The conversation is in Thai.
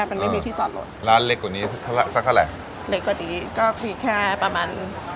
มันไม่มีที่จอดรถร้านเล็กกว่านี้สักเท่าไหร่เด็กกว่านี้ก็มีแค่ประมาณ